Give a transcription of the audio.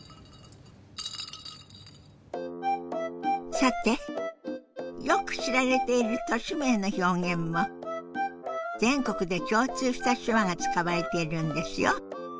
さてよく知られている都市名の表現も全国で共通した手話が使われているんですよ。